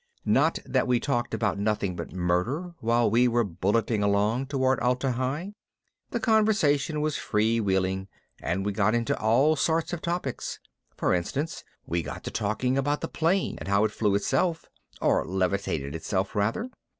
Not that we talked about nothing but murder while we were bulleting along toward Atla Hi. The conversation was free wheeling and we got onto all sorts of topics. For instance, we got to talking about the plane and how it flew itself or levitated itself, rather.